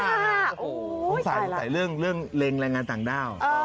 ต้องจ่ายเรื่องเรงลายงานสั่งด้าว